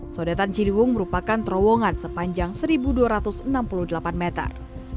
sodetan ciliwung merupakan terowongan sepanjang satu dua ratus enam puluh delapan meter